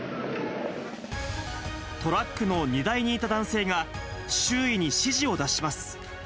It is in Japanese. トラックの荷台にいた男性が、周囲に指示を出します。